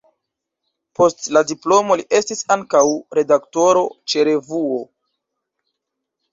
Post la diplomo li estis ankaŭ redaktoro ĉe revuo.